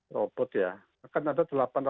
robot ya kan ada